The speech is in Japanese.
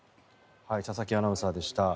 佐々木アナウンサーでした。